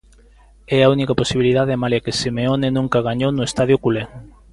É a única posibilidade malia que Simeone nunca gañou no estadio culé.